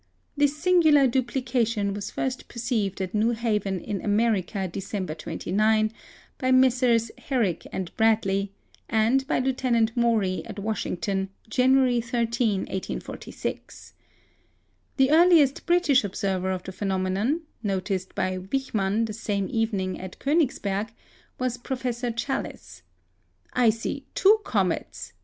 This singular duplication was first perceived at New Haven in America, December 29, by Messrs. Herrick and Bradley, and by Lieutenant Maury at Washington, January 13, 1846. The earliest British observer of the phenomenon (noticed by Wichmann the same evening at Königsberg) was Professor Challis. "I see two comets!"